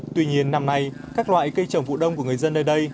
tuy nhiên năm nay các loại cây trồng vụ đông của người dân nơi đây